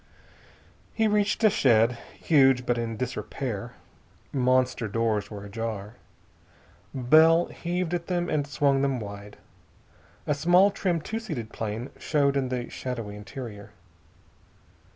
He reached a shed, huge, but in disrepair. Monster doors were ajar. Bell heaved at them and swung them wide. A small, trim, two seated plane showed in the shadowy interior.